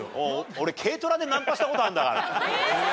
俺軽トラでナンパした事あるんだから。